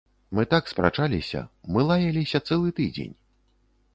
Мы так спрачаліся, мы лаяліся цэлы тыдзень.